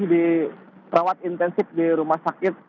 di rawat intensif di rumah sakit